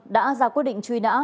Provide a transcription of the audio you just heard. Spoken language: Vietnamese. đã ra quyết định truy nã